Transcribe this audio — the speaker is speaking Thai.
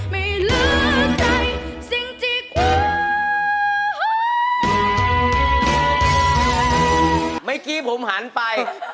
เมื่อกี้ผมหันไป